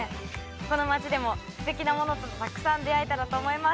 この町でもすてきなものとたくさん出会えたらと思います